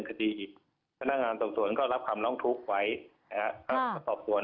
คนนานส่งส่วนที่รับคำน้องทุกข์